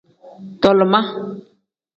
Tolima.